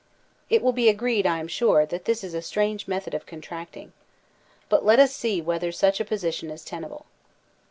It will be agreed, I am sure, that this is a strange method of contracting. But let us see whether such a position is tenable.